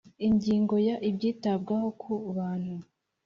Ingingo ya Ibyitabwaho ku bantu